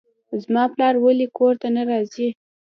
زما پلار ولې کور ته نه راځي.